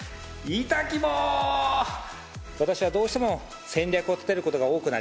私はどうしても戦略を立てることが多くなります。